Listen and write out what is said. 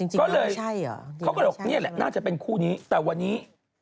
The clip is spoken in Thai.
เหมือนจะเสียกันอย่างนี้